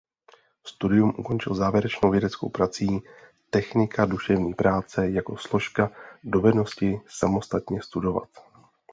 Studium ukončil závěrečnou vědeckou prací „Technika duševní práce jako složka dovednosti samostatně studovat“.